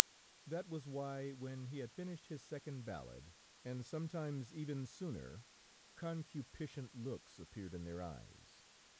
That was why, when he had finished his second ballad, and sometimes even sooner, concupiscent looks appeared in their eyes.